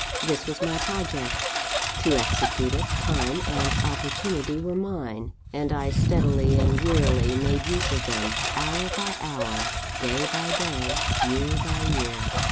"This was my project. To execute it, time and opportunity were mine; and I steadily and warily made use of them, hour by hour, day by day, year by year.